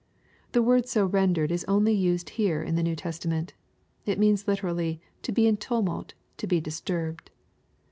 l The word so rendered is only used here in the New Testament. It means literally "to be in a tumult; to be disturbed."